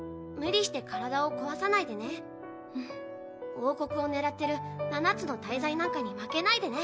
王国を狙ってる七つの大罪なんかに負けないでね。